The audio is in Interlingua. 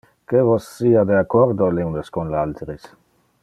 Que vos sia de accordo le unes con le alteres.